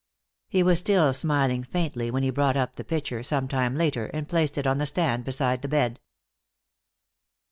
He was still smiling faintly when he brought up the pitcher, some time later, and placed it on the stand beside the bed.